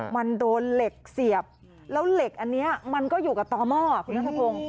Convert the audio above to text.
มันโดนเหล็กเสียบแล้วเหล็กอันนี้มันก็อยู่กับต่อหม้อคุณนัทพงศ์